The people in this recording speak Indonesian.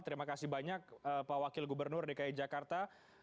terima kasih banyak pak wakil gubernur dki jakarta